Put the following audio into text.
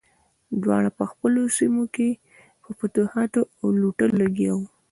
دواړه په خپلو سیمو کې په فتوحاتو او لوټلو لګیا وو.